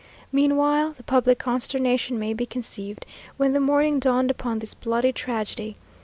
Meanwhile, the public consternation may be conceived, when the morning dawned upon this bloody tragedy.